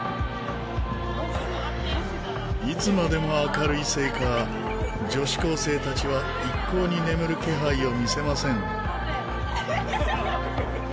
いつまでも明るいせいか女子高生たちは一向に眠る気配を見せません。